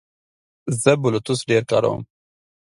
زه بلوتوث ډېر کاروم.